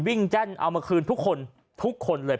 แจ้นเอามาคืนทุกคนทุกคนเลย